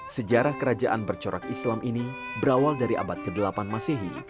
sejarah kerajaan bercorak islam ini berawal dari abad ke delapan masehi